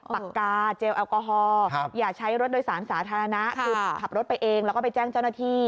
ปากกาเจลแอลกอฮอล์อย่าใช้รถโดยสารสาธารณะคือขับรถไปเองแล้วก็ไปแจ้งเจ้าหน้าที่